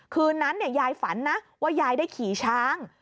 คืนนั้นยายฝันนะว่ายายได้ขี่ช้าง